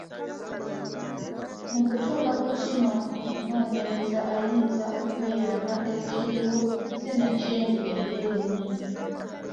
Mu kutuuka ku kino omunoonyereza ayinza okweyamba ekiriwo sinakindi eyiye yennyini.